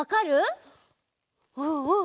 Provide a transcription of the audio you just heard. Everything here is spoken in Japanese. うんうん。